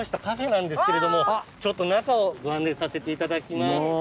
カフェなんですけれどもちょっと中をご案内させていただきます。